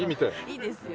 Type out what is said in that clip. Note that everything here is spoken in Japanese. いいですよ。